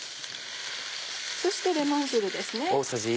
そしてレモン汁です。